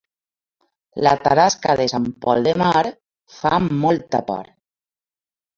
La tarasca de Sant Pol de Mar fa molta por